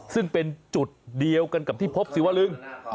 ซึ่งเป็นจุดเดียวกันกับที่พบศิวลึง